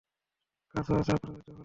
গাছও আছে আপনাদের দখলে?